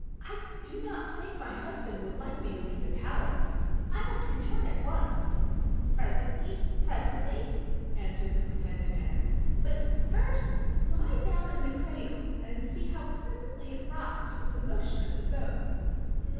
"I do not think my husband would like me to leave the palace. I must return at once." "Presently! Presently!" answered the pre¬ tended aunt. "But first lie down in the cradle and see how pleasantly it rocks with the motion of the boat."